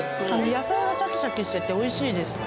野菜はシャキシャキしてて美味しいです。